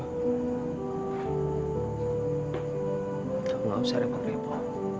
aku nggak usah ada yang berpikir